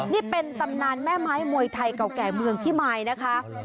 นี่เป็นตำนานแม่ไม้มวยไทยเก่าแก่เมืองพิมายนะคะ